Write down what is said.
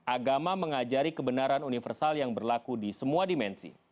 agama mengajari kebenaran universal yang berlaku di semua dimensi